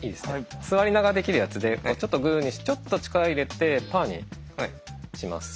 座りながらできるやつでちょっとグーにしてちょっと力入れてパーにします。